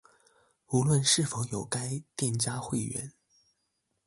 無論是否有該店家會員